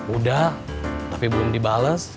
udah tapi belum dibales